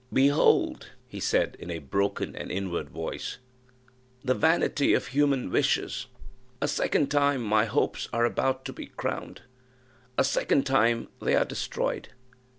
"Behold," he said, in a broken and inward voice, "the vanity of human wishes! a second time my hopes are about to be crowned, a second time they are destroyed.